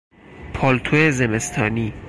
پالتو زمستانی